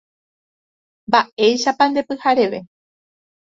Mba'éichapa nde pyhareve.